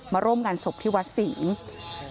มาร่วมงานศพที่วัดสิงศ์